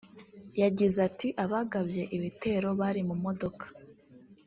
yagize ati’ “Abagabye ibitero bari mu modoka